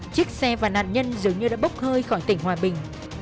chiếc xe và nạn nhân dường như đã bốc hơi khỏi tỉnh hòa bình